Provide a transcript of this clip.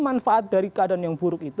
manfaat dari keadaan yang buruk itu